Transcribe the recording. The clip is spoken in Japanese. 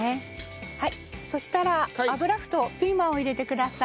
はいそしたら油麩とピーマンを入れてください。